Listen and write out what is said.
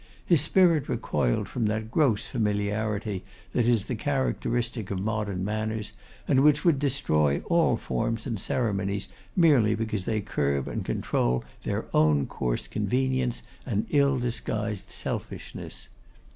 His spirit recoiled from that gross familiarity that is the characteristic of modern manners, and which would destroy all forms and ceremonies merely because they curb and control their own coarse convenience and ill disguised selfishness.